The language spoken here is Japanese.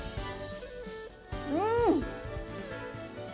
うん！